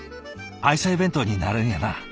「愛妻弁当になるんやな。